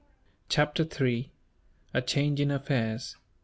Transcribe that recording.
Chapter 3: A Change In Affairs.